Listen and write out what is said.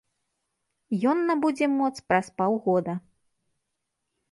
Ён набудзе моц праз паўгода.